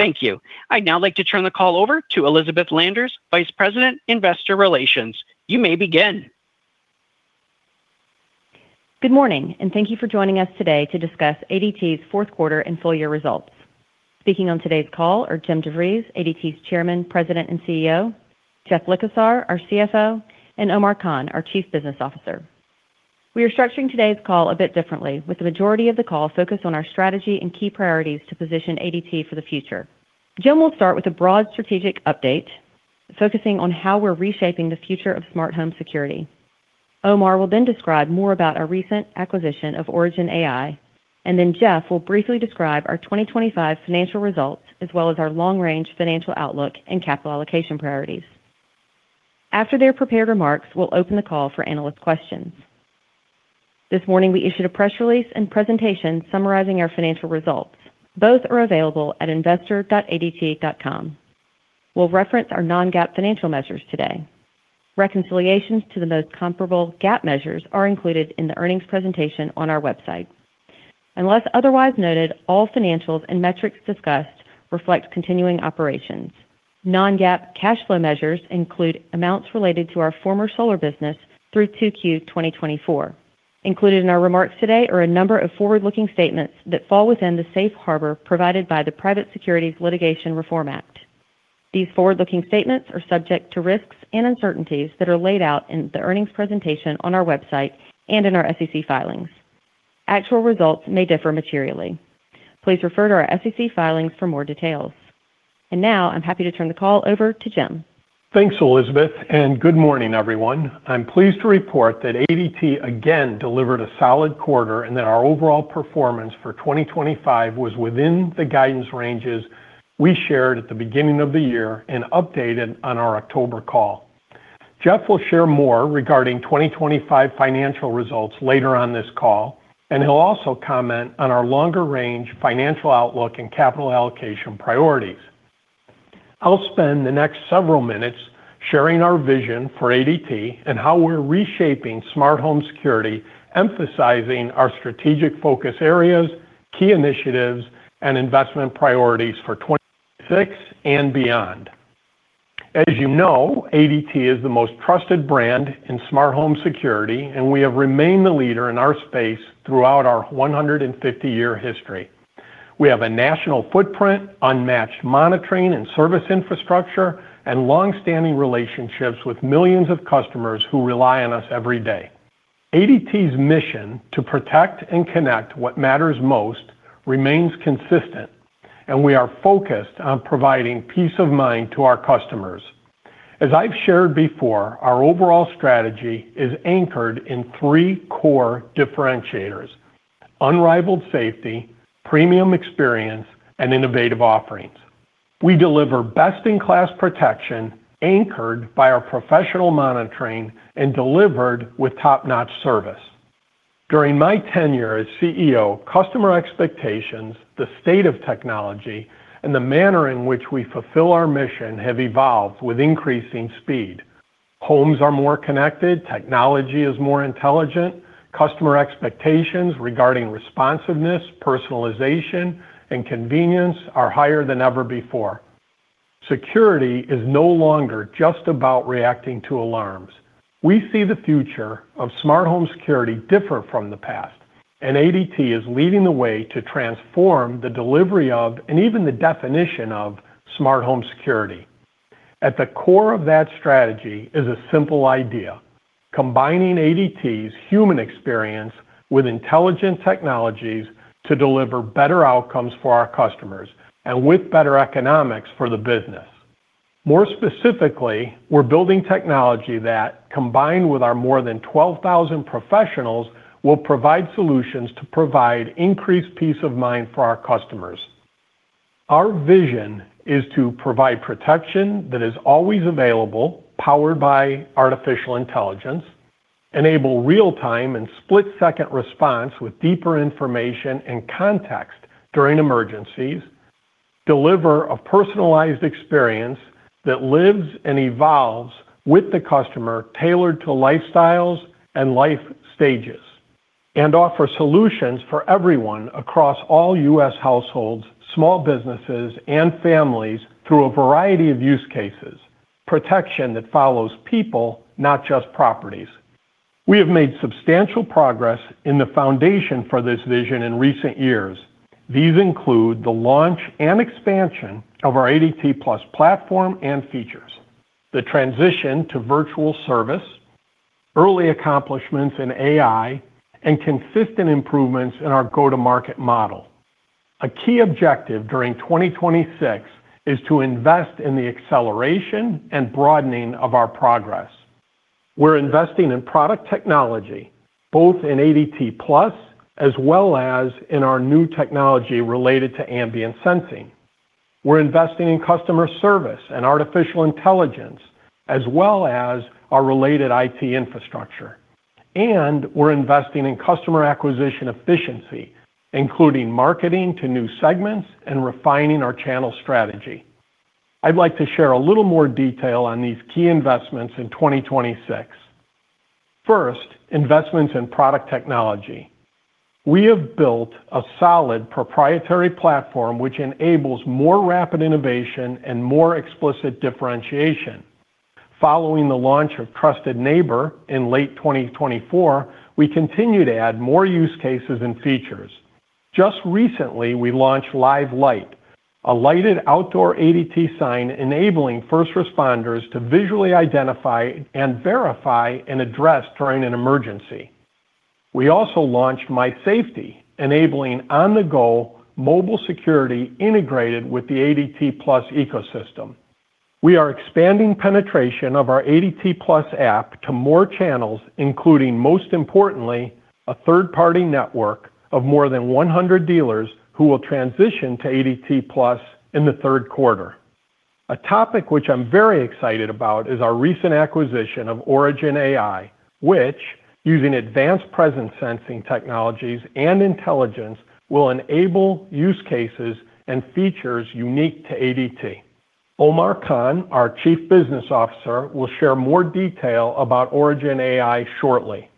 Thank you. I'd now like to turn the call over to Elizabeth Landers, Vice President, Investor Relations. You may begin. Good morning, and thank you for joining us today to discuss ADT's fourth quarter and full year results. Speaking on today's call are Jim DeVries, ADT's Chairman, President, and CEO, Jeff Likosar, our CFO, and Omar Khan, our Chief Business Officer. We are structuring today's call a bit differently, with the majority of the call focused on our strategy and key priorities to position ADT for the future. Jim will start with a broad strategic update, focusing on how we're reshaping the future of smart home security. Omar will then describe more about our recent acquisition of Origin AI, and then Jeff will briefly describe our 2025 financial results, as well as our long-range financial outlook and capital allocation priorities. After their prepared remarks, we'll open the call for analyst questions. This morning, we issued a press release and presentation summarizing our financial results. Both are available at investor.adt.com. We'll reference our non-GAAP financial measures today. Reconciliations to the most comparable GAAP measures are included in the earnings presentation on our website. Unless otherwise noted, all financials and metrics discussed reflect continuing operations. Non-GAAP cash flow measures include amounts related to our former solar business through 2Q 2024. Included in our remarks today are a number of forward-looking statements that fall within the safe harbor provided by the Private Securities Litigation Reform Act. These forward-looking statements are subject to risks and uncertainties that are laid out in the earnings presentation on our website and in our SEC filings. Actual results may differ materially. Please refer to our SEC filings for more details. Now, I'm happy to turn the call over to Jim. Thanks, Elizabeth. Good morning, everyone. I'm pleased to report that ADT again delivered a solid quarter. Our overall performance for 2025 was within the guidance ranges we shared at the beginning of the year and updated on our October call. Jeff will share more regarding 2025 financial results later on this call. He'll also comment on our longer-range financial outlook and capital allocation priorities. I'll spend the next several minutes sharing our vision for ADT and how we're reshaping smart home security, emphasizing our strategic focus areas, key initiatives, and investment priorities for 2026 and beyond. As you know, ADT is the most trusted brand in smart home security. We have remained the leader in our space throughout our 150-year history. We have a national footprint, unmatched monitoring and service infrastructure, and long-standing relationships with millions of customers who rely on us every day. ADT's mission to protect and connect what matters most remains consistent. We are focused on providing peace of mind to our customers. As I've shared before, our overall strategy is anchored in three core differentiators: unrivaled safety, premium experience, and innovative offerings. We deliver best-in-class protection anchored by our professional monitoring and delivered with top-notch service. During my tenure as CEO, customer expectations, the state of technology, and the manner in which we fulfill our mission have evolved with increasing speed. Homes are more connected, technology is more intelligent, customer expectations regarding responsiveness, personalization, and convenience are higher than ever before. Security is no longer just about reacting to alarms. We see the future of smart home security differ from the past. ADT is leading the way to transform the delivery of, and even the definition of, smart home security. At the core of that strategy is a simple idea, combining ADT's human experience with intelligent technologies to deliver better outcomes for our customers and with better economics for the business. More specifically, we're building technology that, combined with our more than 12,000 professionals, will provide solutions to provide increased peace of mind for our customers. Our vision is to provide protection that is always available, powered by artificial intelligence, enable real-time and split-second response with deeper information and context during emergencies, deliver a personalized experience that lives and evolves with the customer tailored to lifestyles and life stages, and offer solutions for everyone across all U.S. households, small businesses, and families through a variety of use cases, protection that follows people, not just properties. We have made substantial progress in the foundation for this vision in recent years. These include the launch and expansion of our ADT+ platform and features, the transition to virtual service, early accomplishments in AI, and consistent improvements in our go-to-market model. A key objective during 2026 is to invest in the acceleration and broadening of our progress. We're investing in product technology, both in ADT+ as well as in our new technology related to ambient sensing. We're investing in customer service and artificial intelligence, as well as our related IT infrastructure. We're investing in customer acquisition efficiency, including marketing to new segments and refining our channel strategy. I'd like to share a little more detail on these key investments in 2026. First, investments in product technology. We have built a solid proprietary platform which enables more rapid innovation and more explicit differentiation. Following the launch of Trusted Neighbor in late 2024, we continue to add more use cases and features. Just recently, we launched Live Light, a lighted outdoor ADT sign enabling first responders to visually identify and verify an address during an emergency. We also launched My Safety, enabling on-the-go mobile security integrated with the ADT+ ecosystem. We are expanding penetration of our ADT+ app to more channels, including, most importantly, a third-party network of more than 100 dealers who will transition to ADT+ in the third quarter. A topic which I'm very excited about is our recent acquisition of Origin AI, which, using advanced presence sensing technologies and intelligence, will enable use cases and features unique to ADT. Omar Khan, our Chief Business Officer, will share more detail about Origin AI shortly.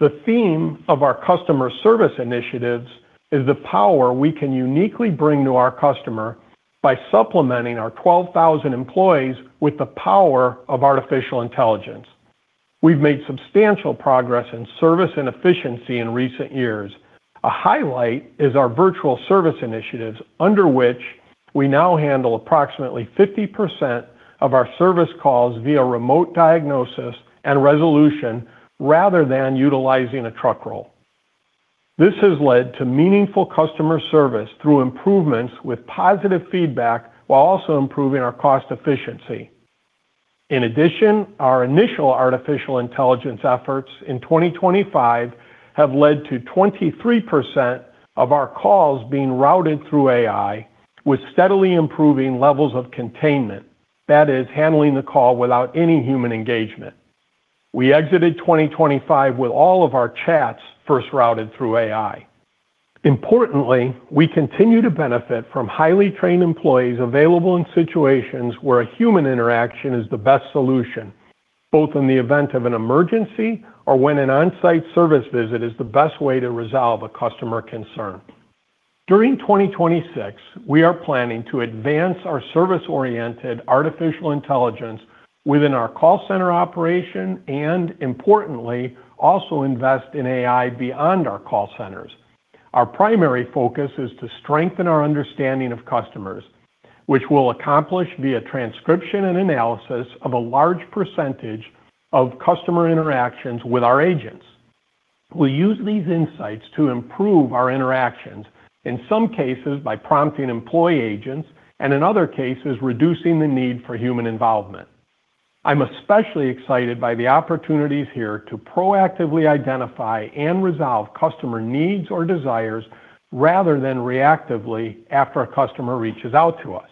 The theme of our customer service initiatives is the power we can uniquely bring to our customer by supplementing our 12,000 employees with the power of artificial intelligence. We've made substantial progress in service and efficiency in recent years. A highlight is our virtual service initiatives, under which we now handle approximately 50% of our service calls via remote diagnosis and resolution rather than utilizing a truck roll. This has led to meaningful customer service through improvements with positive feedback while also improving our cost efficiency. In addition, our initial artificial intelligence efforts in 2025 have led to 23% of our calls being routed through AI with steadily improving levels of containment. That is, handling the call without any human engagement. We exited 2025 with all of our chats first routed through AI. Importantly, we continue to benefit from highly trained employees available in situations where a human interaction is the best solution, both in the event of an emergency or when an on-site service visit is the best way to resolve a customer concern. During 2026, we are planning to advance our service-oriented artificial intelligence within our call center operation and, importantly, also invest in AI beyond our call centers. Our primary focus is to strengthen our understanding of customers, which we'll accomplish via transcription and analysis of a large percentage of customer interactions with our agents. We'll use these insights to improve our interactions, in some cases by prompting employee agents and in other cases, reducing the need for human involvement. I'm especially excited by the opportunities here to proactively identify and resolve customer needs or desires rather than reactively after a customer reaches out to us.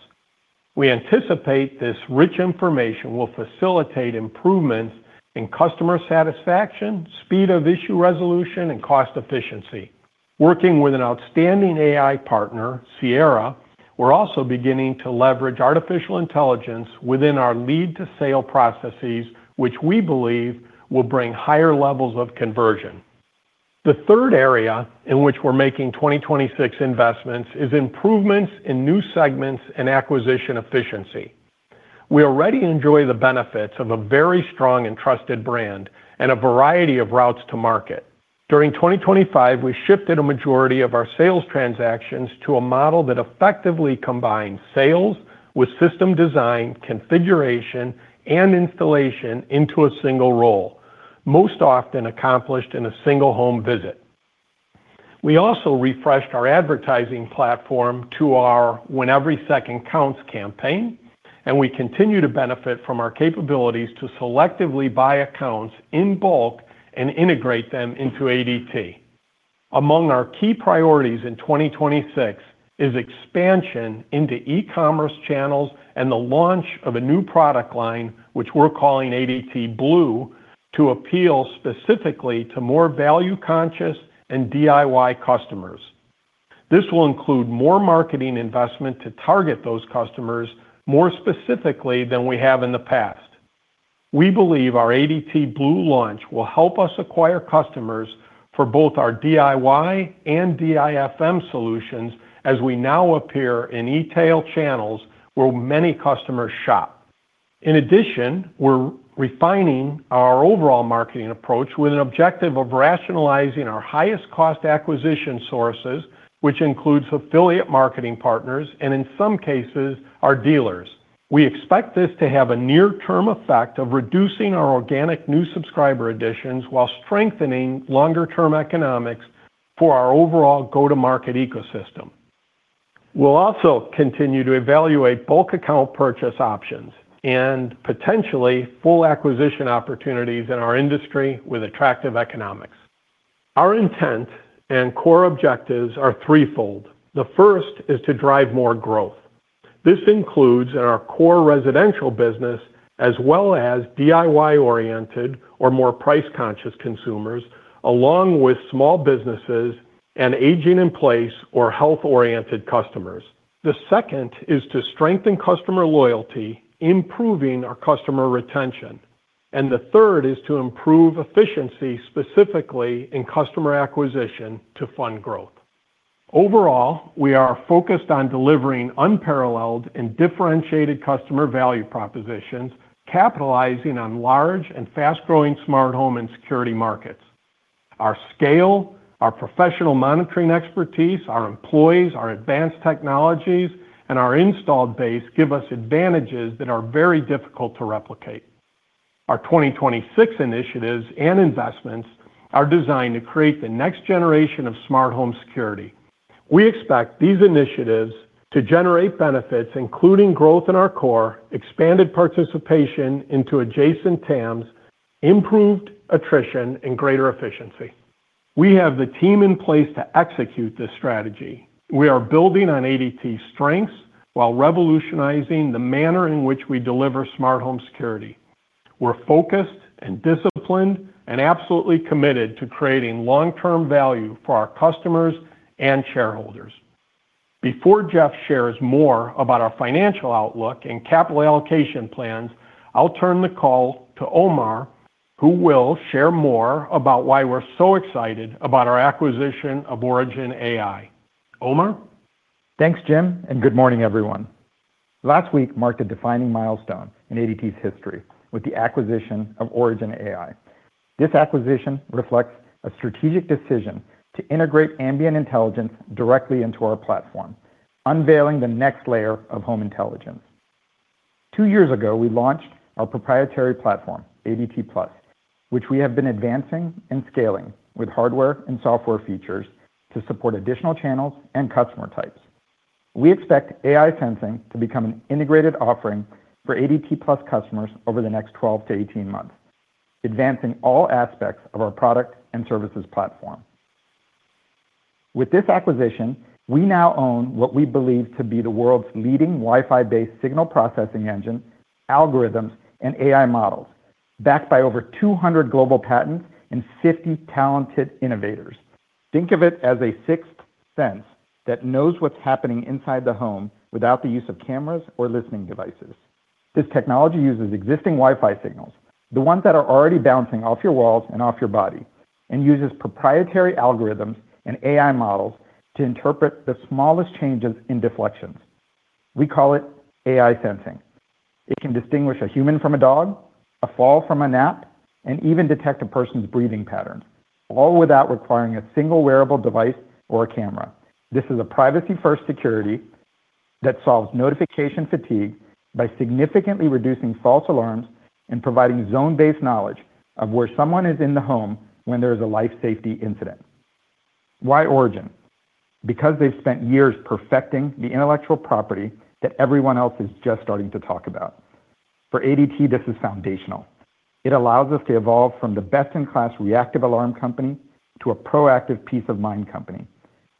We anticipate this rich information will facilitate improvements in customer satisfaction, speed of issue resolution, and cost efficiency. Working with an outstanding AI partner, Sierra, we're also beginning to leverage artificial intelligence within our lead to sale processes, which we believe will bring higher levels of conversion. The third area in which we're making 2026 investments is improvements in new segments and acquisition efficiency. We already enjoy the benefits of a very strong and trusted brand and a variety of routes to market. During 2025, we shifted a majority of our sales transactions to a model that effectively combines sales with system design, configuration, and installation into a single role, most often accomplished in a single home visit. We also refreshed our advertising platform to our When Every Second Counts campaign, and we continue to benefit from our capabilities to selectively buy accounts in bulk and integrate them into ADT. Among our key priorities in 2026 is expansion into e-commerce channels and the launch of a new product line, which we're calling ADT Blue, to appeal specifically to more value-conscious and DIY customers. This will include more marketing investment to target those customers more specifically than we have in the past. We believe our ADT Blue launch will help us acquire customers for both our DIY and DIFM solutions as we now appear in e-tail channels where many customers shop. We're refining our overall marketing approach with an objective of rationalizing our highest cost acquisition sources, which includes affiliate marketing partners and in some cases, our dealers. We expect this to have a near-term effect of reducing our organic new subscriber additions while strengthening longer-term economics for our overall go-to-market ecosystem. We'll also continue to evaluate bulk account purchase options and potentially full acquisition opportunities in our industry with attractive economics. Our intent and core objectives are threefold. The first is to drive more growth. This includes in our core residential business, as well as DIY-oriented or more price-conscious consumers, along with small businesses and aging in place or health-oriented customers. The second is to strengthen customer loyalty, improving our customer retention. The third is to improve efficiency, specifically in customer acquisition to fund growth. Overall, we are focused on delivering unparalleled and differentiated customer value propositions, capitalizing on large and fast-growing smart home and security markets. Our scale, our professional monitoring expertise, our employees, our advanced technologies, and our installed base give us advantages that are very difficult to replicate. Our 2026 initiatives and investments are designed to create the next generation of smart home security. We expect these initiatives to generate benefits, including growth in our core, expanded participation into adjacent TAMs, improved attrition, and greater efficiency. We have the team in place to execute this strategy. We are building on ADT strengths while revolutionizing the manner in which we deliver smart home security. We're focused and disciplined and absolutely committed to creating long-term value for our customers and shareholders. Before Jeff shares more about our financial outlook and capital allocation plans, I'll turn the call to Omar, who will share more about why we're so excited about our acquisition of Origin AI. Omar? Thanks, Jim. Good morning, everyone. Last week marked a defining milestone in ADT's history with the acquisition of Origin AI. This acquisition reflects a strategic decision to integrate ambient intelligence directly into our platform, unveiling the next layer of home intelligence. Two years ago, we launched our proprietary platform, ADT+, which we have been advancing and scaling with hardware and software features to support additional channels and customer types. We expect AI sensing to become an integrated offering for ADT+ customers over the next 12-18 months, advancing all aspects of our product and services platform. With this acquisition, we now own what we believe to be the world's leading Wi-Fi-based signal processing engine, algorithms, and AI models, backed by over 200 global patents and 50 talented innovators. Think of it as a sixth sense that knows what's happening inside the home without the use of cameras or listening devices. This technology uses existing Wi-Fi signals, the ones that are already bouncing off your walls and off your body, and uses proprietary algorithms and AI models to interpret the smallest changes in deflections. We call it AI sensing. It can distinguish a human from a dog, a fall from a nap, and even detect a person's breathing patterns, all without requiring a single wearable device or a camera. This is a privacy-first security that solves notification fatigue by significantly reducing false alarms and providing zone-based knowledge of where someone is in the home when there is a life safety incident. Why Origin? They've spent years perfecting the intellectual property that everyone else is just starting to talk about. For ADT, this is foundational. It allows us to evolve from the best-in-class reactive alarm company to a proactive peace-of-mind company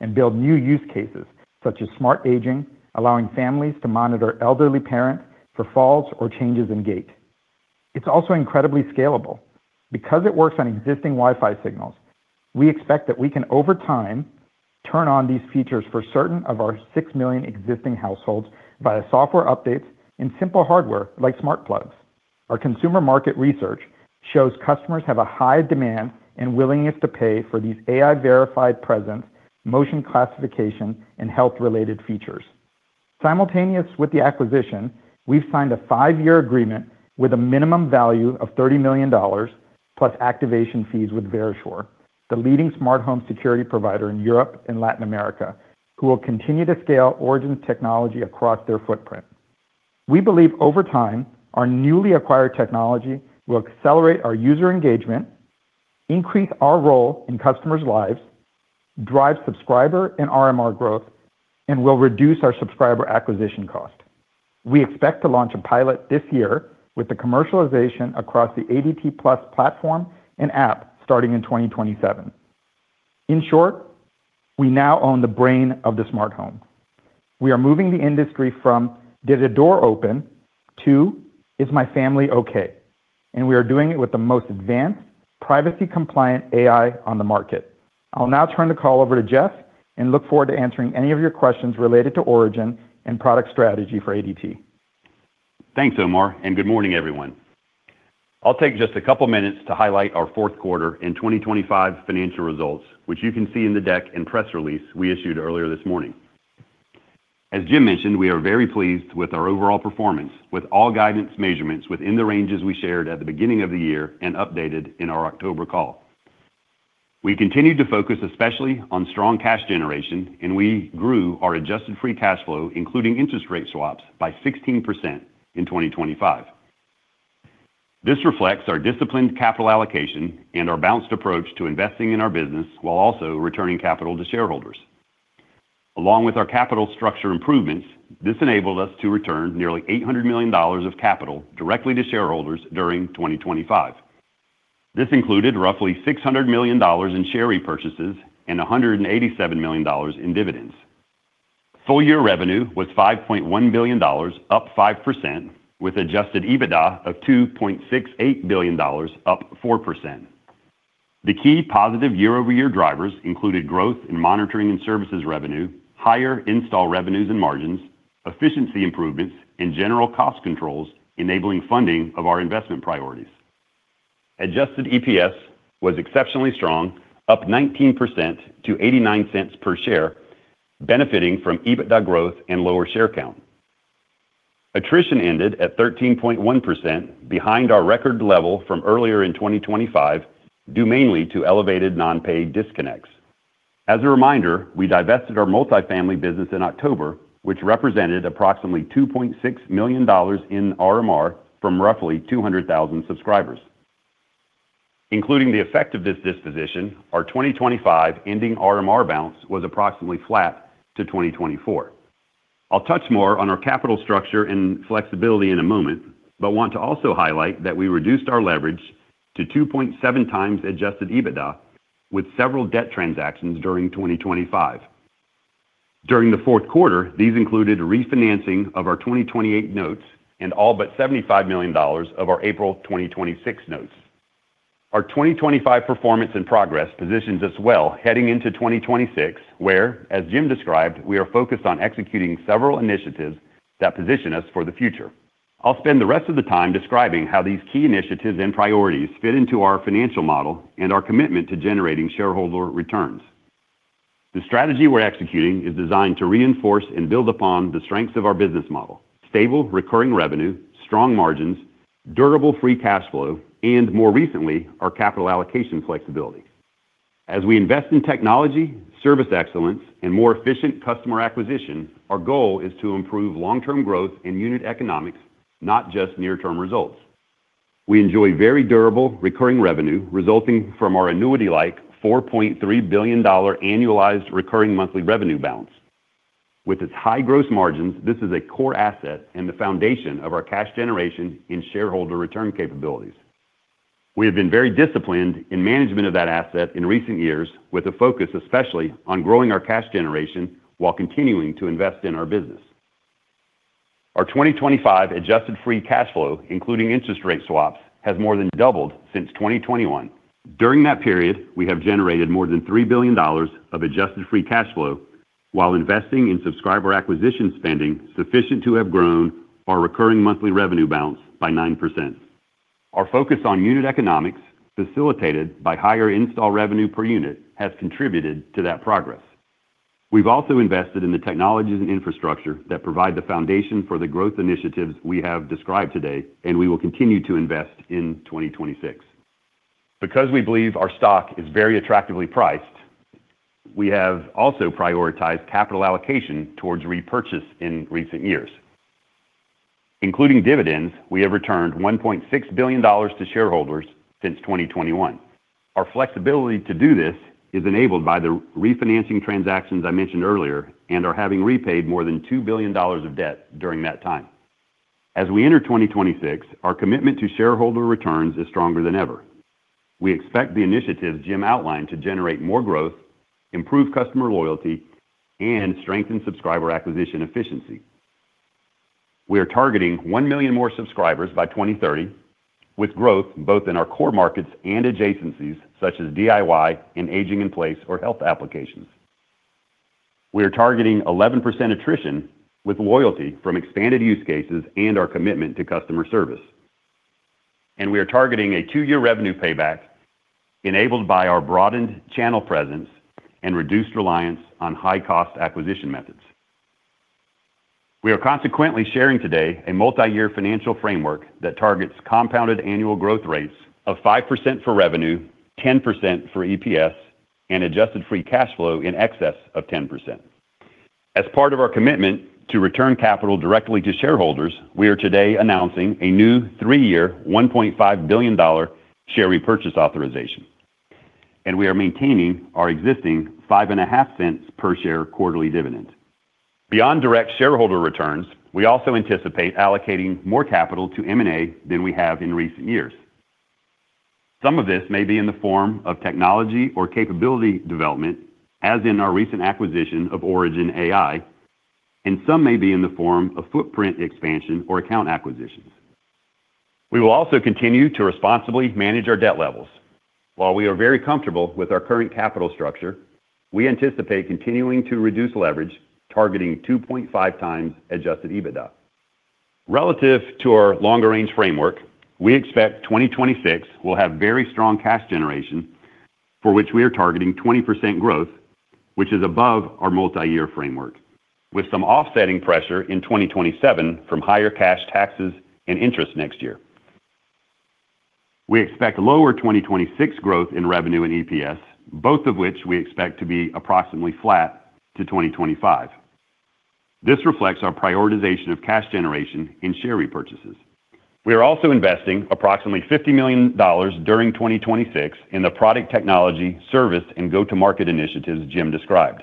and build new use cases, such as smart aging, allowing families to monitor elderly parents for falls or changes in gait. It's also incredibly scalable. Because it works on existing Wi-Fi signals, we expect that we can, over time, turn on these features for certain of our 6 million existing households via software updates and simple hardware like smart plugs. Our consumer market research shows customers have a high demand and willingness to pay for these AI-verified presence, motion classification, and health-related features. Simultaneous with the acquisition, we've signed a five-year agreement with a minimum value of $30 million plus activation fees with Verisure, the leading smart home security provider in Europe and Latin America, who will continue to scale Origin's technology across their footprint. We believe over time, our newly acquired technology will accelerate our user engagement, increase our role in customers' lives, drive subscriber and RMR growth, and will reduce our subscriber acquisition cost. We expect to launch a pilot this year with the commercialization across the ADT+ platform and app starting in 2027. In short, we now own the brain of the smart home. We are moving the industry from, "Did the door open?" to, "Is my family okay?" We are doing it with the most advanced, privacy-compliant AI on the market. I'll now turn the call over to Jeff and look forward to answering any of your questions related to Origin and product strategy for ADT. Thanks, Omar, and good morning, everyone. I'll take just a couple minutes to highlight our fourth quarter in 2025 financial results, which you can see in the deck and press release we issued earlier this morning. As Jim mentioned, we are very pleased with our overall performance with all guidance measurements within the ranges we shared at the beginning of the year and updated in our October call. We continued to focus especially on strong cash generation, and we grew our adjusted free cash flow, including interest rate swaps, by 16% in 2025. This reflects our disciplined capital allocation and our balanced approach to investing in our business while also returning capital to shareholders. Along with our capital structure improvements, this enabled us to return nearly $800 million of capital directly to shareholders during 2025. This included roughly $600 million in share repurchases and $187 million in dividends. Full year revenue was $5.1 billion, up 5%, with adjusted EBITDA of $2.68 billion, up 4%. The key positive year-over-year drivers included growth in monitoring and services revenue, higher install revenues and margins, efficiency improvements, and general cost controls enabling funding of our investment priorities. Adjusted EPS was exceptionally strong, up 19% to $0.89 per share, benefiting from EBITDA growth and lower share count. Attrition ended at 13.1%, behind our record level from earlier in 2025, due mainly to elevated non-paid disconnects. As a reminder, we divested our multifamily business in October, which represented approximately $2.6 million in RMR from roughly 200,000 subscribers. Including the effect of this disposition, our 2025 ending RMR balance was approximately flat to 2024. I'll touch more on our capital structure and flexibility in a moment, but want to also highlight that we reduced our leverage to 2.7x adjusted EBITDA with several debt transactions during 2025. During the fourth quarter, these included refinancing of our 2028 notes and all but $75 million of our April 2026 notes. Our 2025 performance and progress positions us well heading into 2026, where, as Jim described, we are focused on executing several initiatives that position us for the future. I'll spend the rest of the time describing how these key initiatives and priorities fit into our financial model and our commitment to generating shareholder returns. The strategy we're executing is designed to reinforce and build upon the strengths of our business model: stable recurring revenue, strong margins, durable free cash flow, and more recently, our capital allocation flexibility. As we invest in technology, service excellence, and more efficient customer acquisition, our goal is to improve long-term growth in unit economics, not just near-term results. We enjoy very durable recurring revenue resulting from our annuity-like $4.3 billion annualized recurring monthly revenue balance. With its high gross margins, this is a core asset and the foundation of our cash generation and shareholder return capabilities. We have been very disciplined in management of that asset in recent years with a focus especially on growing our cash generation while continuing to invest in our business. Our 2025 adjusted free cash flow, including interest rate swaps, has more than doubled since 2021. During that period, we have generated more than $3 billion of adjusted free cash flow while investing in subscriber acquisition spending sufficient to have grown our recurring monthly revenue balance by 9%. Our focus on unit economics, facilitated by higher install revenue per unit, has contributed to that progress. We've also invested in the technologies and infrastructure that provide the foundation for the growth initiatives we have described today, and we will continue to invest in 2026. We believe our stock is very attractively priced, we have also prioritized capital allocation towards repurchase in recent years. Including dividends, we have returned $1.6 billion to shareholders since 2021. Our flexibility to do this is enabled by the refinancing transactions I mentioned earlier and are having repaid more than $2 billion of debt during that time. As we enter 2026, our commitment to shareholder returns is stronger than ever. We expect the initiatives Jim outlined to generate more growth, improve customer loyalty, and strengthen subscriber acquisition efficiency. We are targeting 1 million more subscribers by 2030 with growth both in our core markets and adjacencies such as DIY and aging in place or health applications. We are targeting 11% attrition with loyalty from expanded use cases and our commitment to customer service. We are targeting a two-year revenue payback enabled by our broadened channel presence and reduced reliance on high-cost acquisition methods. We are consequently sharing today a multi-year financial framework that targets compounded annual growth rates of 5% for revenue, 10% for EPS, and adjusted free cash flow in excess of 10%. As part of our commitment to return capital directly to shareholders, we are today announcing a new three-year, $1.5 billion share repurchase authorization. We are maintaining our existing five and a half cents per share quarterly dividend. Beyond direct shareholder returns, we also anticipate allocating more capital to M&A than we have in recent years. Some of this may be in the form of technology or capability development, as in our recent acquisition of Origin AI, and some may be in the form of footprint expansion or account acquisitions. We will also continue to responsibly manage our debt levels. While we are very comfortable with our current capital structure, we anticipate continuing to reduce leverage, targeting 2.5x adjusted EBITDA. Relative to our longer-range framework, we expect 2026 will have very strong cash generation for which we are targeting 20% growth, which is above our multi-year framework with some offsetting pressure in 2027 from higher cash taxes and interest next year. We expect lower 2026 growth in revenue and EPS, both of which we expect to be approximately flat to 2025. This reflects our prioritization of cash generation in share repurchases. We are also investing approximately $50 million during 2026 in the product technology, service, and go-to-market initiatives Jim described.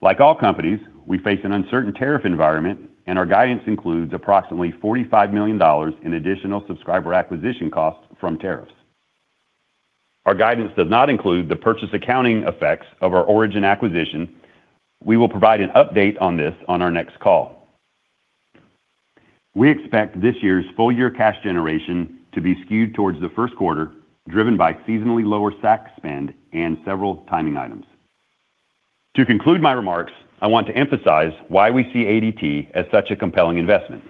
Like all companies, we face an uncertain tariff environment, and our guidance includes approximately $45 million in additional subscriber acquisition costs from tariffs. Our guidance does not include the purchase accounting effects of our Origin acquisition. We will provide an update on this on our next call. We expect this year's full-year cash generation to be skewed towards the first quarter, driven by seasonally lower SAC spend and several timing items. To conclude my remarks, I want to emphasize why we see ADT as such a compelling investment.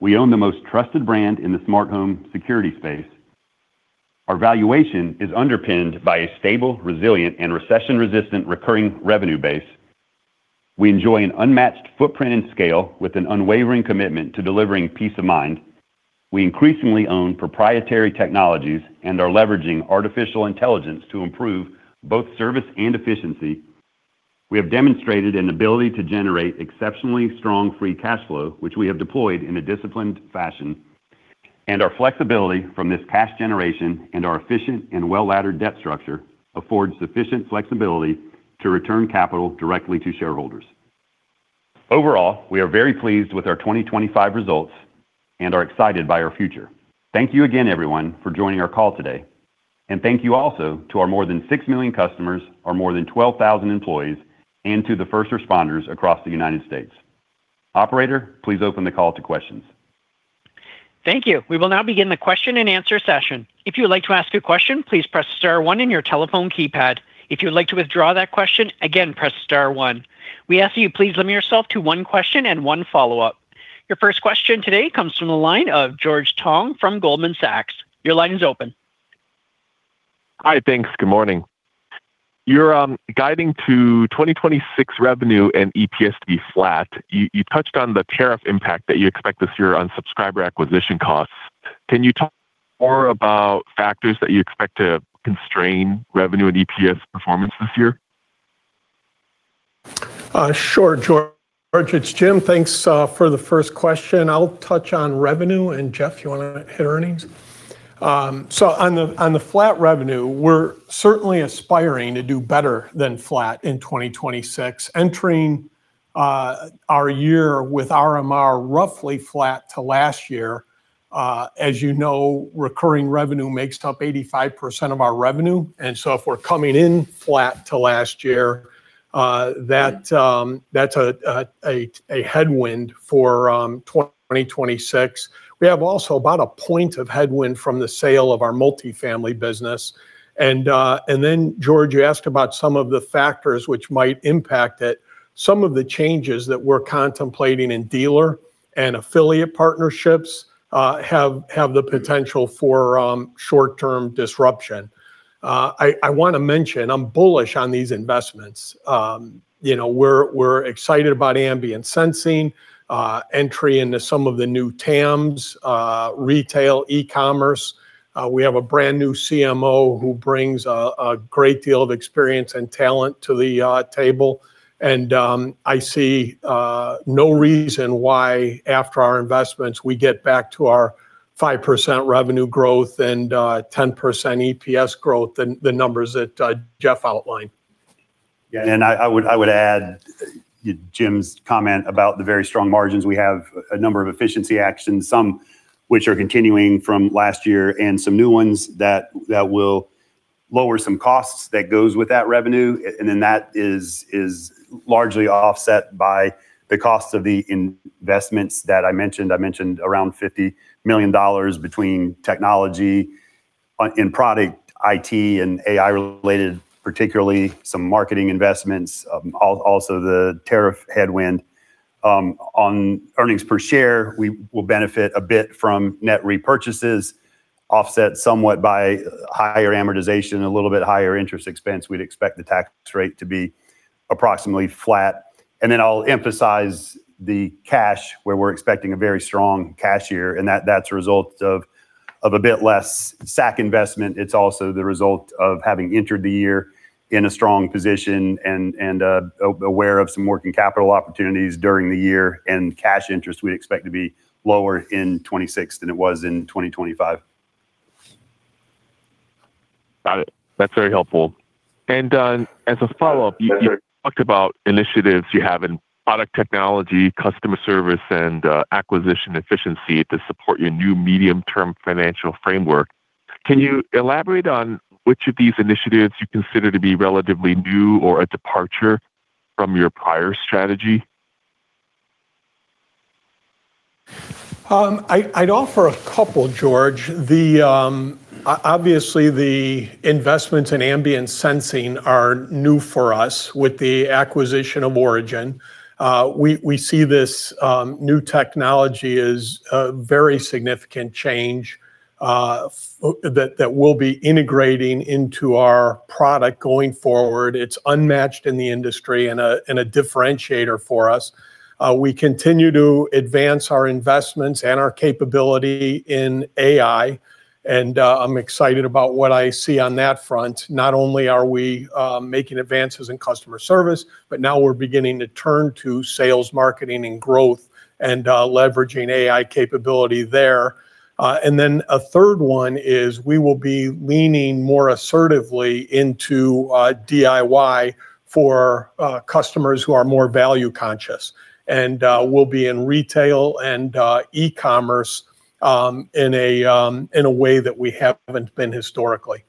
We own the most trusted brand in the smart home security space. Our valuation is underpinned by a stable, resilient, and recession-resistant recurring revenue base. We enjoy an unmatched footprint and scale with an unwavering commitment to delivering peace of mind. We increasingly own proprietary technologies and are leveraging artificial intelligence to improve both service and efficiency. We have demonstrated an ability to generate exceptionally strong free cash flow, which we have deployed in a disciplined fashion. Our flexibility from this cash generation and our efficient and well-laddered debt structure affords sufficient flexibility to return capital directly to shareholders. Overall, we are very pleased with our 2025 results and are excited by our future. Thank you again, everyone, for joining our call today. Thank you also to our more than 6 million customers, our more than 12,000 employees, and to the first responders across the United States. Operator, please open the call to questions. Thank you. We will now begin the question-and-answer session. If you would like to ask a question, please press star one ion your telephone keypad. If you would like to withdraw that question, again, press star one. We ask that you please limit yourself to one question and one follow-up. Your first question today comes from the line of George Tong from Goldman Sachs. Your line is open. Hi, thanks. Good morning. You're guiding to 2026 revenue and EPS to be flat. You touched on the tariff impact that you expect this year on subscriber acquisition costs. Can you talk more about factors that you expect to constrain revenue and EPS performance this year? Sure, George. It's Jim. Thanks for the first question. I'll touch on revenue. Jeff, you wanna hit earnings? So on the flat revenue, we're certainly aspiring to do better than flat in 2026. Entering our year with RMR roughly flat to last year, as you know, recurring revenue makes up 85% of our revenue. So if we're coming in flat to last year, that's a headwind for 2026. We have also about 1 point of headwind from the sale of our multifamily business. Then George, you asked about some of the factors which might impact it. Some of the changes that we're contemplating in dealer and affiliate partnerships have the potential for short-term disruption. I wanna mention, I'm bullish on these investments. You know, we're excited about ambient sensing, entry into some of the new TAMs, retail, e-commerce. We have a brand new CMO who brings a great deal of experience and talent to the table. I see no reason why after our investments, we get back to our 5% revenue growth and 10% EPS growth than the numbers that Jeff Likosar outlined. Yeah. I would add Jim DeVries' comment about the very strong margins. We have a number of efficiency actions, some which are continuing from last year and some new ones that will lower some costs that goes with that revenue. Then that is largely offset by the cost of the investments that I mentioned. I mentioned around $50 million between technology in product IT and AI-related, particularly some marketing investments, also the tariff headwind. On earnings per share, we will benefit a bit from net repurchases, offset somewhat by higher amortization, a little bit higher interest expense. We'd expect the tax rate to be approximately flat. I'll emphasize the cash, where we're expecting a very strong cash year, and that's a result of a bit less SAC investment. It's also the result of having entered the year in a strong position and aware of some working capital opportunities during the year. Cash interest we expect to be lower in 2026 than it was in 2025. Got it. That's very helpful. As a follow-up, you talked about initiatives you have in product technology, customer service, and acquisition efficiency to support your new medium-term financial framework. Can you elaborate on which of these initiatives you consider to be relatively new or a departure from your prior strategy? I'd offer a couple, George. The investments in ambient sensing are new for us with the acquisition of Origin. We see this new technology as a very significant change that we'll be integrating into our product going forward. It's unmatched in the industry and a differentiator for us. We continue to advance our investments and our capability in AI, and I'm excited about what I see on that front. Not only are we making advances in customer service, but now we're beginning to turn to sales, marketing, and growth and leveraging AI capability there. Then a third one is we will be leaning more assertively into DIY for customers who are more value-conscious. We'll be in retail and e-commerce, in a way that we haven't been historically.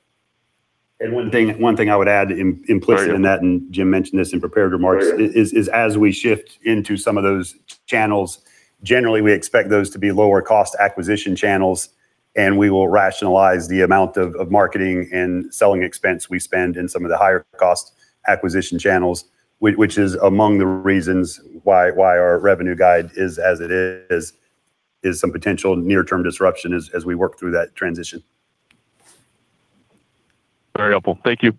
One thing I would add implicit in that, and Jim mentioned this in prepared remarks, is as we shift into some of those channels, generally we expect those to be lower cost acquisition channels, and we will rationalize the amount of marketing and selling expense we spend in some of the higher cost acquisition channels. Which is among the reasons why our revenue guide is as it is some potential near-term disruption as we work through that transition. Very helpful. Thank you.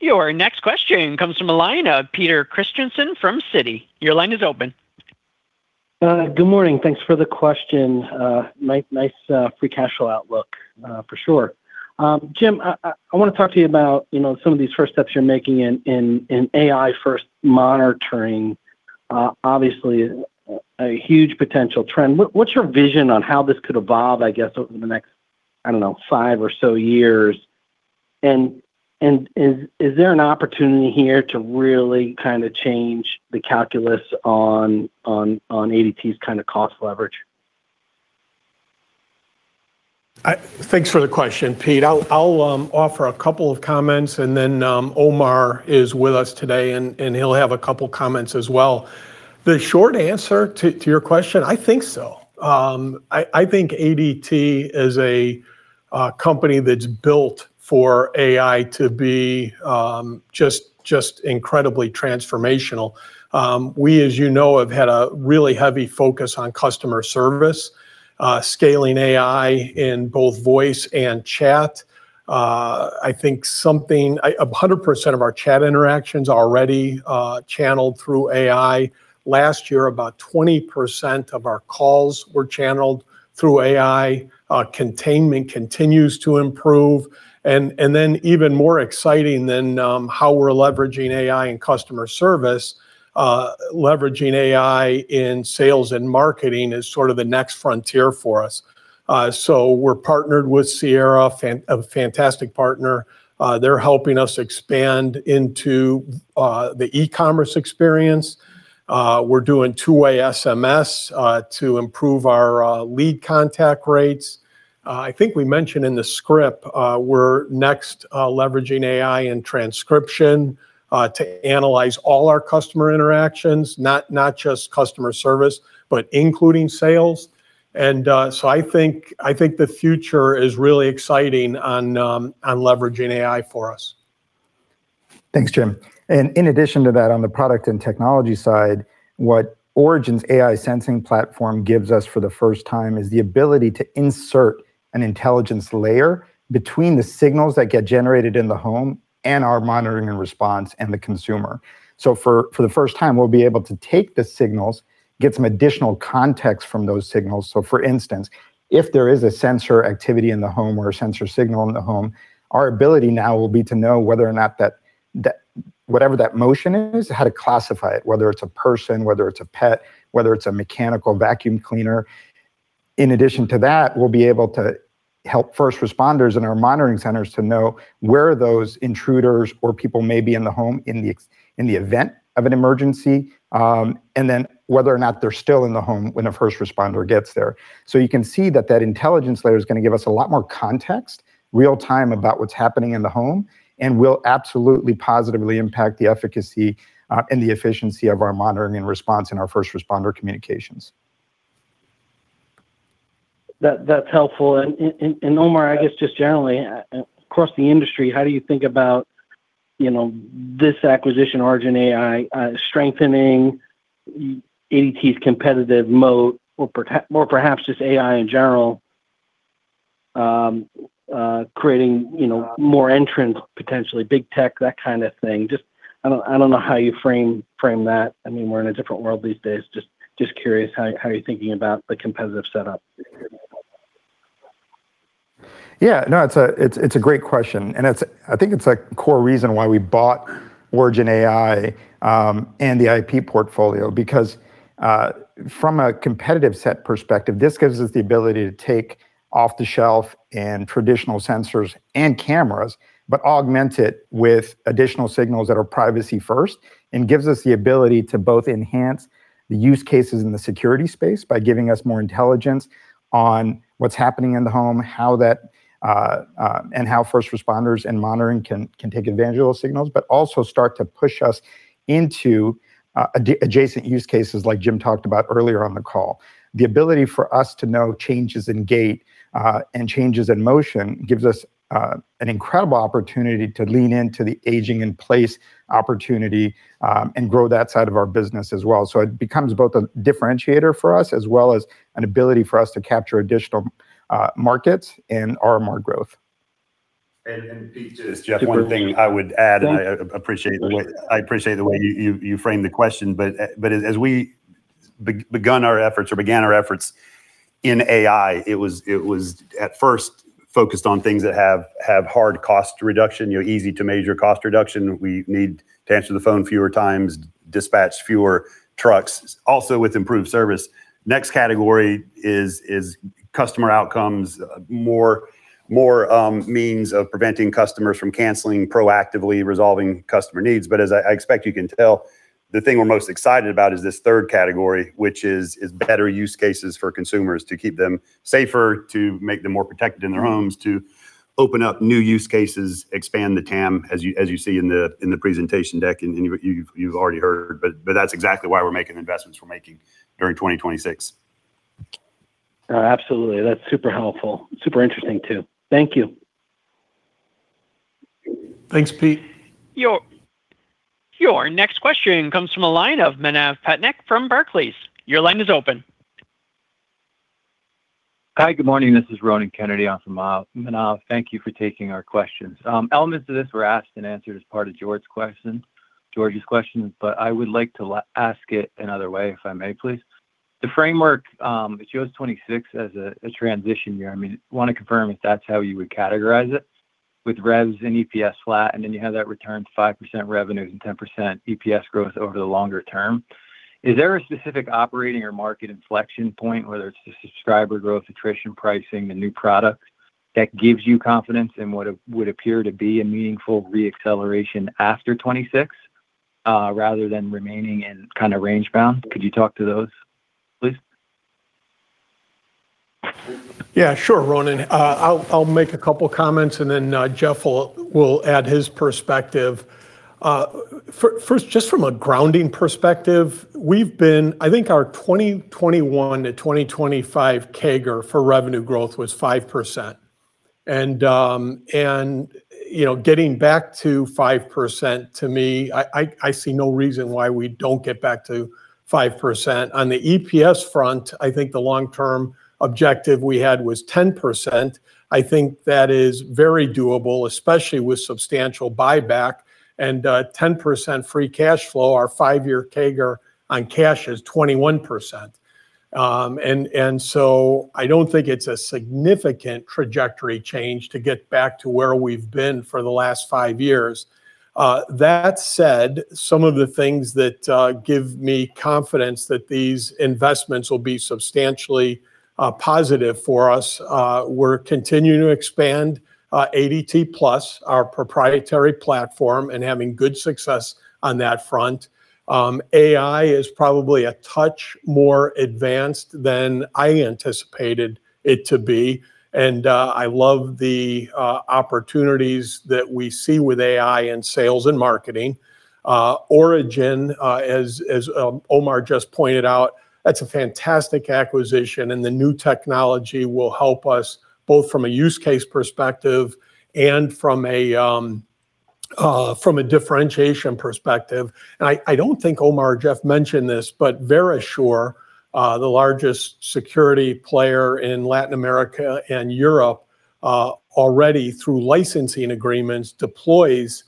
Your next question comes from the line of Peter Christiansen from Citi. Your line is open. Good morning. Thanks for the questions. Nice free cash flow outlook, for sure. Jim, I want to talk to you about, you know, some of these first steps you're making in AI first monitoring. Obviously a huge potential trend. What's your vision on how this could evolve, I guess, over the next, I don't know, five or so years? Is there an opportunity here to really kind of change the calculus on ADT's kind of cost leverage? Thanks for the question, Pete. I'll offer a couple of comments and then Omar is with us today and he'll have a couple comments as well. The short answer to your question, I think so. I think ADT is a company that's built for AI to be just incredibly transformational. We, as you know, have had a really heavy focus on customer service, scaling AI in both voice and chat. I think something... 100% of our chat interactions are already channeled through AI. Last year, about 20% of our calls were channeled through AI. Containment continues to improve. Then even more exciting than how we're leveraging AI in customer service, leveraging AI in sales and marketing is sort of the next frontier for us. We're partnered with Sierra, a fantastic partner. They're helping us expand into the e-commerce experience. We're doing two-way SMS to improve our lead contact rates. I think we mentioned in the script, we're next leveraging AI and transcription to analyze all our customer interactions, not just customer service, but including sales. I think the future is really exciting on leveraging AI for us. Thanks, Jim. In addition to that, on the product and technology side, what Origin's AI sensing platform gives us for the first time is the ability to insert an intelligence layer between the signals that get generated in the home and our monitoring and response and the consumer. For the first time, we'll be able to take the signals, get some additional context from those signals. For instance, if there is a sensor activity in the home or a sensor signal in the home, our ability now will be to know whether or not that whatever that motion is, how to classify it, whether it's a person, whether it's a pet, whether it's a mechanical vacuum cleaner. In addition to that, we'll be able to help first responders in our monitoring centers to know where those intruders or people may be in the home in the event of an emergency, and then whether or not they're still in the home when a first responder gets there. You can see that that intelligence layer is gonna give us a lot more context real-time about what's happening in the home and will absolutely positively impact the efficacy, and the efficiency of our monitoring and response and our first responder communications. That's helpful. Omar, I guess just generally, across the industry, how do you think about, you know, this acquisition Origin AI, strengthening ADT's competitive moat or perhaps just AI in general, creating, you know, more entrants, potentially big tech, that kind of thing? I don't know how you frame that. I mean, we're in a different world these days. Curious how you're thinking about the competitive setup. Yeah, no, it's a great question, and I think it's a core reason why we bought Origin AI and the IP portfolio because from a competitive set perspective, this gives us the ability to take off the shelf and traditional sensors and cameras, but augment it with additional signals that are privacy first and gives us the ability to both enhance the use cases in the security space by giving us more intelligence on what's happening in the home, how that and how first responders and monitoring can take advantage of those signals, but also start to push us into adjacent use cases like Jim talked about earlier on the call. The ability for us to know changes in gait, and changes in motion gives us an incredible opportunity to lean into the aging in place opportunity, and grow that side of our business as well. It becomes both a differentiator for us as well as an ability for us to capture additional markets and RMR growth. Pete, just one thing I would add, I appreciate the way, I appreciate the way you framed the question, but as we began our efforts in AI, it was at first focused on things that have hard cost reduction, you know, easy to measure cost reduction. We need to answer the phone fewer times, dispatch fewer trucks, also with improved service. Next category is customer outcomes, more means of preventing customers from canceling, proactively resolving customer needs. As I expect you can tell, the thing we're most excited about is this third category, which is better use cases for consumers to keep them safer, to make them more protected in their homes, to open up new use cases, expand the TAM, as you see in the presentation deck and you've already heard. That's exactly why we're making the investments we're making during 2026. Oh, absolutely. That's super helpful. Super interesting too. Thank you. Thanks, Pete. Your next question comes from a line of Manav Patnaik from Barclays. Your line is open. Hi. Good morning. This is Ronan Kennedy on from Manav. Thank you for taking our questions. Elements of this were asked and answered as part of George's question. I would like to ask it another way, if I may, please. The framework shows 2026 as a transition year. I mean, wanna confirm if that's how you would categorize it with revs and EPS flat, and then you have that return to 5% revenues and 10% EPS growth over the longer term. Is there a specific operating or market inflection point, whether it's the subscriber growth, attrition pricing, the new product, that gives you confidence in what would appear to be a meaningful re-acceleration after 2026 rather than remaining in kinda range bound? Could you talk to those, please? Yeah, sure, Ronan. I'll make a couple comments, and then Jeff Likosar will add his perspective. First, just from a grounding perspective, we've been... I think our 2021-2025 CAGR for revenue growth was 5%. You know, getting back to 5%, to me, I see no reason why we don't get back to 5%. On the EPS front, I think the long-term objective we had was 10%. I think that is very doable, especially with substantial buyback and 10% free cash flow. Our five-year CAGR on cash is 21%. I don't think it's a significant trajectory change to get back to where we've been for the last five years. That said, some of the things that give me confidence that these investments will be substantially positive for us, we're continuing to expand ADT+, our proprietary platform, and having good success on that front. AI is probably a touch more advanced than I anticipated it to be, and I love the opportunities that we see with AI in sales and marketing. Origin, as Omar just pointed out, that's a fantastic acquisition, and the new technology will help us both from a use case perspective and from a differentiation perspective. I don't think Omar or Jeff mentioned this, but Verisure, the largest security player in Latin America and Europe, already through licensing agreements deploys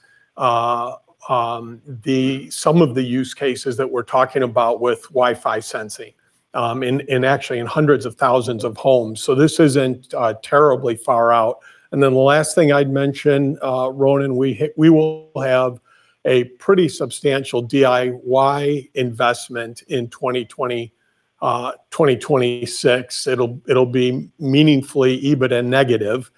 some of the use cases that we're talking about with Wi-Fi sensing, and actually in hundreds of thousands of homes. This isn't terribly far out. The last thing I'd mention, Ronan, we will have a pretty substantial DIY investment in 2026. It'll be meaningfully EBIT negative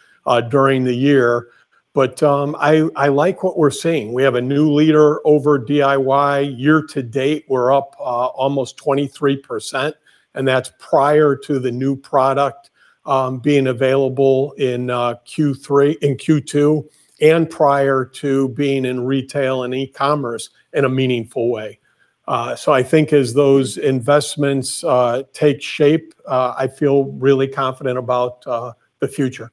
during the year. I like what we're seeing. We have a new leader over DIY. Year to date, we're up almost 23%, and that's prior to the new product being available in Q2, and prior to being in retail and e-commerce in a meaningful way. I think as those investments take shape, I feel really confident about the future.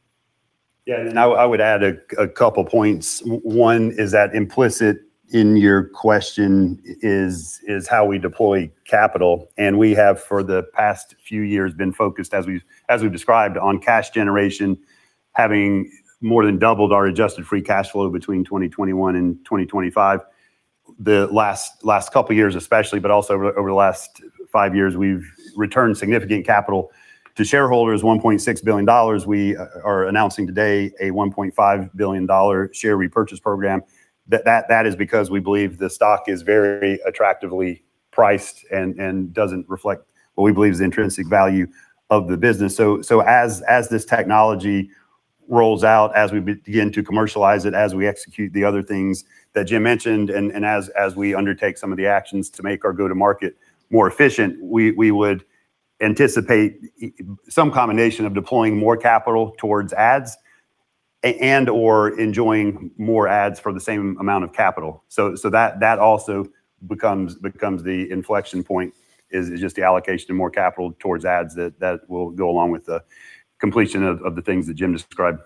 Yeah, I would add a couple points. One is that implicit in your question is how we deploy capital, and we have for the past few years been focused, as we've described, on cash generation, having more than doubled our adjusted free cash flow between 2021 and 2025. The last couple years especially, but also over the last five years, we've returned significant capital to shareholders, $1.6 billion. We are announcing today a $1.5 billion share repurchase program. That is because we believe the stock is very attractively priced and doesn't reflect what we believe is the intrinsic value of the business. As this technology rolls out, as we begin to commercialize it, as we execute the other things that Jim mentioned and as we undertake some of the actions to make our go-to-market more efficient, we would anticipate some combination of deploying more capital towards ads and/or enjoying more ads for the same amount of capital. That also becomes the inflection point, is just the allocation of more capital towards ads that will go along with the completion of the things that Jim described.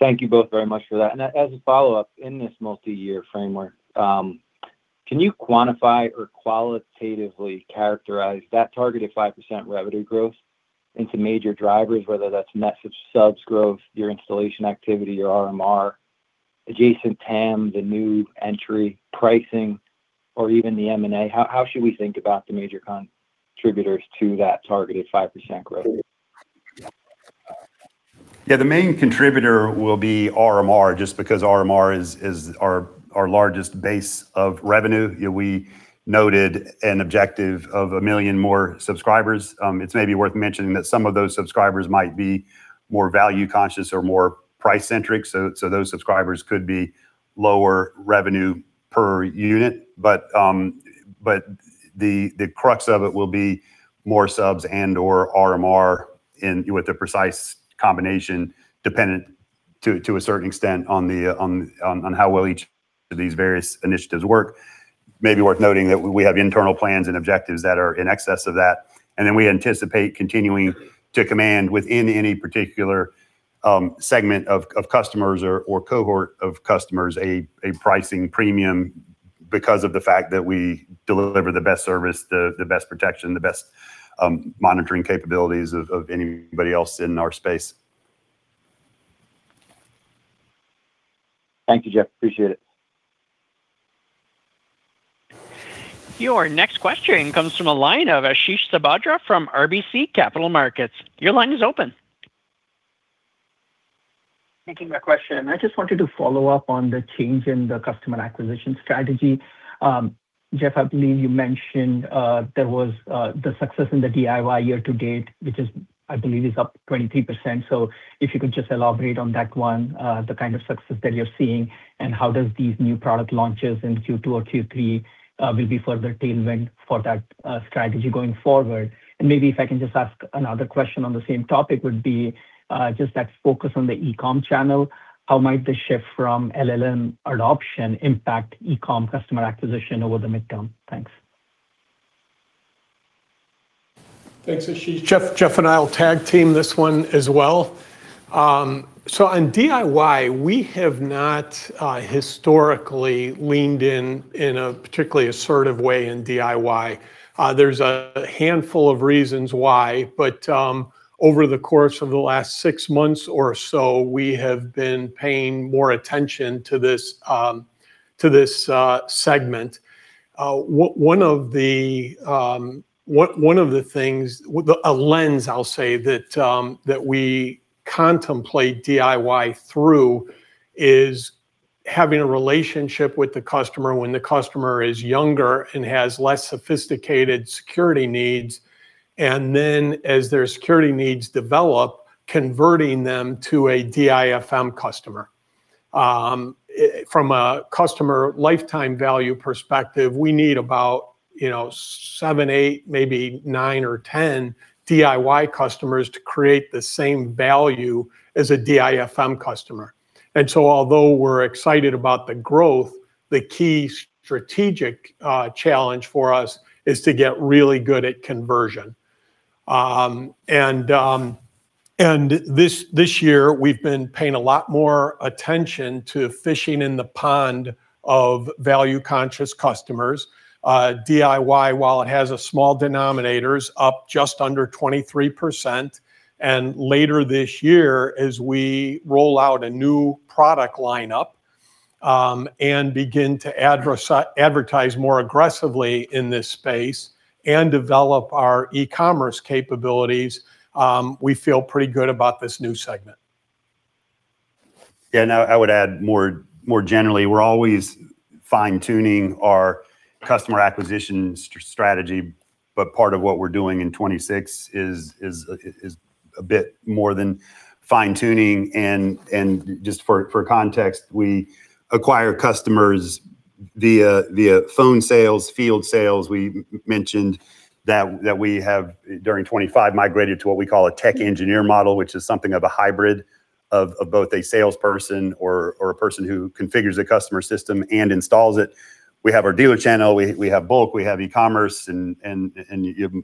Thank you both very much for that. As a follow-up, in this multiyear framework, can you quantify or qualitatively characterize that targeted 5% revenue growth into major drivers, whether that's message subs growth, your installation activity, your RMR, adjacent TAM, the new entry pricing, or even the M&A? How should we think about the major contributors to that targeted 5% growth? Yeah. The main contributor will be RMR, just because RMR is our largest base of revenue. You know, we noted an objective of 1 million more subscribers. It's maybe worth mentioning that some of those subscribers might be more value conscious or more price centric, so those subscribers could be lower revenue per unit. The crux of it will be more subs and/or RMR with the precise combination dependent to a certain extent on the, on how well each of these various initiatives work. May be worth noting that we have internal plans and objectives that are in excess of that, and then we anticipate continuing to command within any particular segment of customers or cohort of customers a pricing premium because of the fact that we deliver the best service, the best protection, the best monitoring capabilities of anybody else in our space. Thank you, Jeff. Appreciate it. Your next question comes from the line of Ashish Sabadra from RBC Capital Markets. Your line is open. Question. I just wanted to follow up on the change in the customer acquisition strategy. Jeff, I believe you mentioned there was the success in the DIY year to date, which is I believe is up 23%. So if you could just elaborate on that one, the kind of success that you're seeing and how does these new product launches in Q2 or Q3 will be further tailwind for that strategy going forward. And maybe if I can just ask another question on the same topic would be just that focus on the e-com channel. How might the shift from LLM adoption impact e-commerce customer acquisition over the midterm? Thanks. Thanks, Ashish. Jeff and I will tag team this one as well. On DIY, we have not historically leaned in a particularly assertive way in DIY. There's a handful of reasons why, but over the course of the last six months or so, we have been paying more attention to this, to this segment. One of the things with a lens, I'll say that we contemplate DIY through is having a relationship with the customer when the customer is younger and has less sophisticated security needs, and then as their security needs develop, converting them to a DIFM customer. From a customer lifetime value perspective, we need about, you know, seven, eight, maybe nine or 10 DIY customers to create the same value as a DIFM customer. Although we're excited about the growth, the key strategic challenge for us is to get really good at conversion. This year we've been paying a lot more attention to fishing in the pond of value-conscious customers. DIY, while it has a small denominator, is up just under 23%. Later this year, as we roll out a new product lineup, and begin to advertise more aggressively in this space and develop our e-commerce capabilities, we feel pretty good about this new segment. I would add more generally, we're always fine-tuning our customer acquisition strategy, but part of what we're doing in 2026 is a bit more than fine-tuning. Just for context, we acquire customers via phone sales, field sales. We mentioned that we have, during 2025, migrated to what we call a tech engineer model, which is something of a hybrid of both a salesperson or a person who configures a customer system and installs it. We have our dealer channel, we have bulk, we have e-commerce and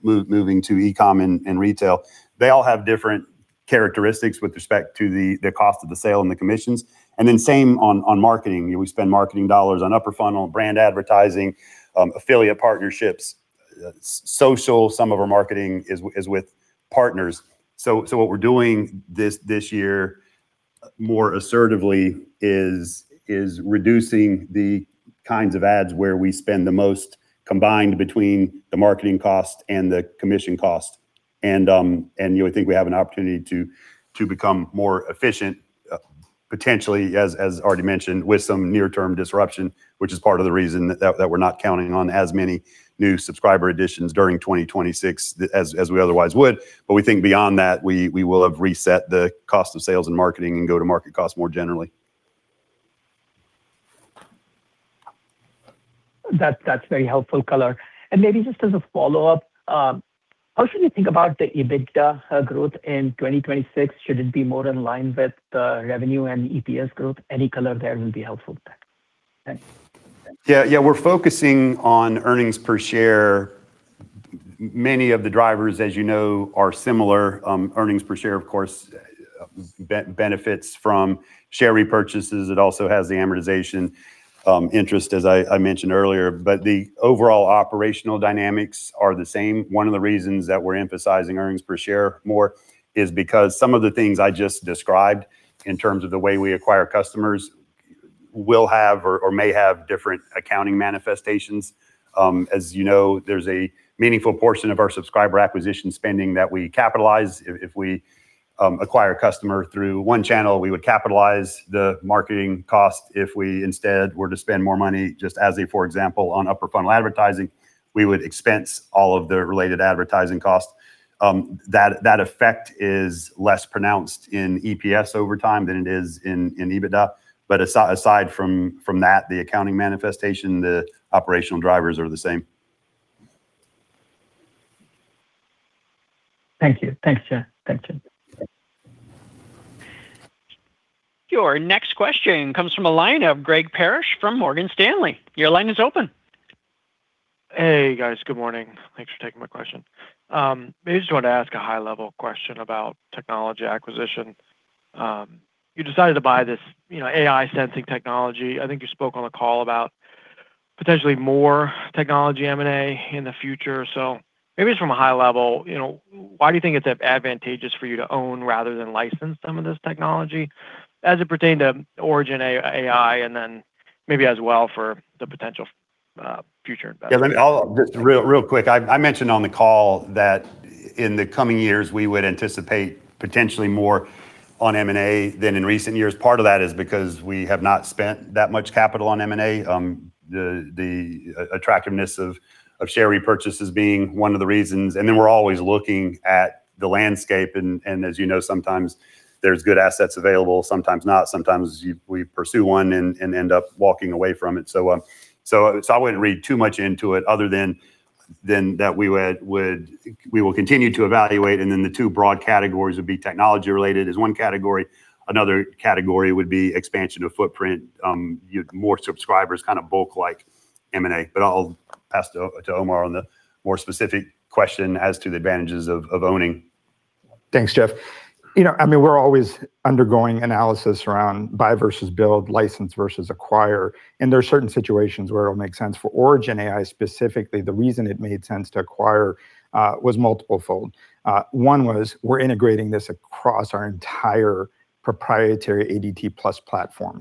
moving to e-com and retail. They all have different characteristics with respect to the cost of the sale and the commissions. Then same on marketing. You know, we spend marketing dollars on upper funnel, brand advertising, affiliate partnerships, social. Some of our marketing is with partners. What we're doing this year more assertively is reducing the kinds of ads where we spend the most combined between the marketing cost and the commission cost. You would think we have an opportunity to become more efficient, potentially as already mentioned, with some near-term disruption, which is part of the reason that we're not counting on as many new subscriber additions during 2026 as we otherwise would. We think beyond that, we will have reset the cost of sales and marketing and go-to-market costs more generally. That's very helpful color. Maybe just as a follow-up, how should we think about the EBITDA growth in 2026? Should it be more in line with the revenue and EPS growth? Any color there will be helpful with that. Thanks. Yeah, yeah. We're focusing on earnings per share. Many of the drivers, as you know, are similar. Earnings per share, of course, benefits from share repurchases. It also has the amortization, interest, as I mentioned earlier. The overall operational dynamics are the same. One of the reasons that we're emphasizing earnings per share more is because some of the things I just described in terms of the way we acquire customers will have or may have different accounting manifestations. As you know, there's a meaningful portion of our subscriber acquisition spending that we capitalize. If we acquire a customer through one channel, we would capitalize the marketing cost. If we instead were to spend more money just for example, on upper funnel advertising, we would expense all of the related advertising costs. That effect is less pronounced in EPS over time than it is in EBITDA. Aside from that, the accounting manifestation, the operational drivers are the same. Thank you. Thanks, Jeff. Thank you. Your next question comes from a line of Gregory Parrish from Morgan Stanley. Your line is open. Hey, guys. Good morning. Thanks for taking my question. Maybe just wanted to ask a high-level question about technology acquisition. You decided to buy this, you know, AI sensing technology. I think you spoke on the call about potentially more technology M&A in the future. Maybe just from a high level, you know, why do you think it's advantageous for you to own rather than license some of this technology as it pertained to Origin AI and then maybe as well for the potential future investment? Yeah, I'll just real quick. I mentioned on the call that in the coming years, we would anticipate potentially more on M&A than in recent years. Part of that is because we have not spent that much capital on M&A. The attractiveness of share repurchases being one of the reasons. We're always looking at the landscape and as you know, sometimes there's good assets available, sometimes not. Sometimes we pursue one and end up walking away from it. So I wouldn't read too much into it other than that we will continue to evaluate, the two broad categories would be technology related is one category. Another category would be expansion of footprint, more subscribers, kinda bulk-like M&A. I'll pass to Omar on the more specific question as to the advantages of owning. Thanks, Jeff. You know, I mean, we're always undergoing analysis around buy versus build, license versus acquire, and there are certain situations where it'll make sense. For Origin AI specifically, the reason it made sense to acquire was multiple fold. One was we're integrating this across our entire proprietary ADT+ platform.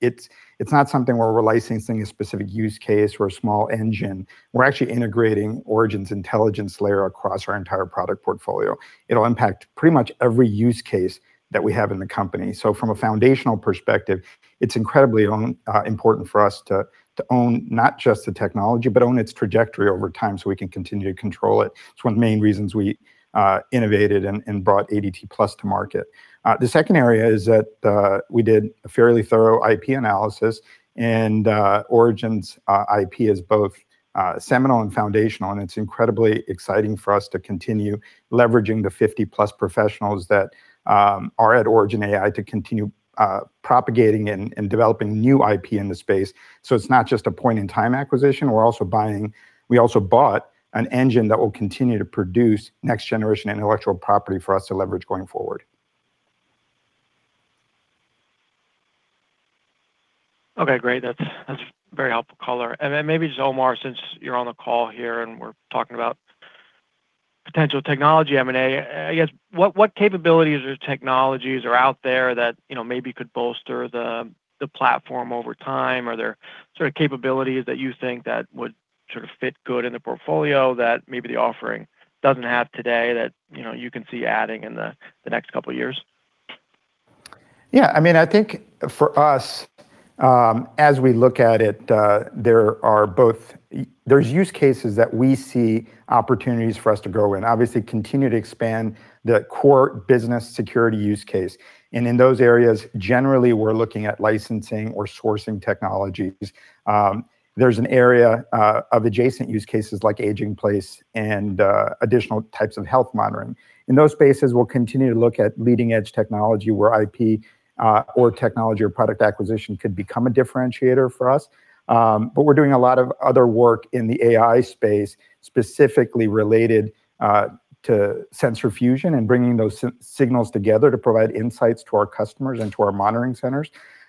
It's not something where we're licensing a specific use case or a small engine. We're actually integrating Origin's intelligence layer across our entire product portfolio. It'll impact pretty much every use case that we have in the company. From a foundational perspective, it's incredibly important for us to own not just the technology, but own its trajectory over time, so we can continue to control it. It's one of the main reasons we innovated and brought ADT+ to market. The second area is that we did a fairly thorough IP analysis. Origin's IP is both seminal and foundational, and it's incredibly exciting for us to continue leveraging the 50+ professionals that are at Origin AI to continue propagating and developing new IP in the space. It's not just a point-in-time acquisition. We also bought an engine that will continue to produce next-generation intellectual property for us to leverage going forward. Okay, great. That's very helpful color. Maybe just, Omar, since you're on the call here and we're talking about potential technology M&A, I guess, what capabilities or technologies are out there that, you know, maybe could bolster the platform over time? Are there sort of capabilities that you think that would sort of fit good in the portfolio that maybe the offering doesn't have today that, you know, you can see adding in the next couple years? I mean, I think for us, as we look at it, there are both. There's use cases that we see opportunities for us to grow in. Obviously, continue to expand the core business security use case. In those areas, generally, we're looking at licensing or sourcing technologies. There's an area of adjacent use cases like Aging in Place and additional types of health monitoring. In those spaces, we'll continue to look at leading-edge technology where IP or technology or product acquisition could become a differentiator for us. We're doing a lot of other work in the AI space, specifically related to sensor fusion and bringing those signals together to provide insights to our customers and to our monitoring centers.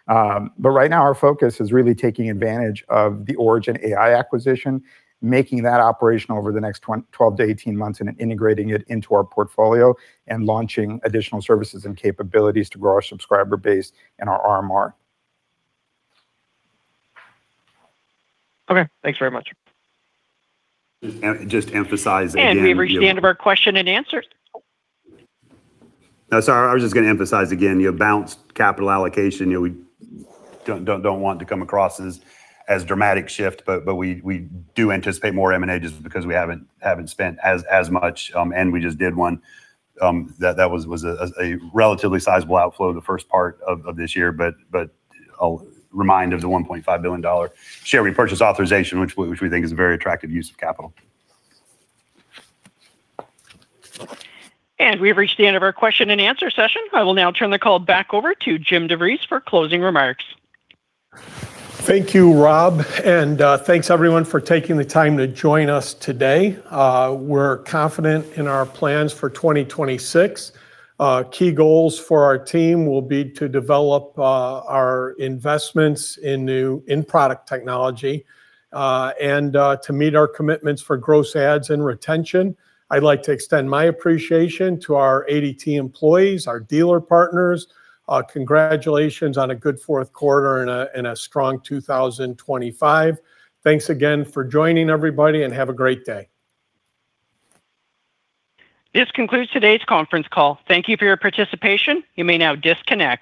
Right now our focus is really taking advantage of the Origin AI acquisition, making that operational over the next 12 to 18 months, and integrating it into our portfolio and launching additional services and capabilities to grow our subscriber base and our RMR. Okay. Thanks very much. Just emphasize again. We've reached the end of our question and answer. No, sorry. I was just gonna emphasize again, you know, balanced capital allocation. You know, we don't want to come across as dramatic shift, but we do anticipate more M&A just because we haven't spent as much, and we just did one that was a relatively sizable outflow the first part of this year. I'll remind of the $1.5 billion share repurchase authorization, which we think is a very attractive use of capital. We've reached the end of our question and answer session. I will now turn the call back over to Jim DeVries for closing remarks. Thank you, Rob, and thanks everyone for taking the time to join us today. We're confident in our plans for 2026. Key goals for our team will be to develop our investments in new in-product technology and to meet our commitments for gross adds and retention. I'd like to extend my appreciation to our ADT employees, our dealer partners. Congratulations on a good fourth quarter and a strong 2025. Thanks again for joining, everybody, and have a great day. This concludes today's conference call. Thank Thank you for your participation. You may now disconnect.